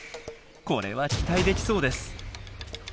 これは期待できそうです。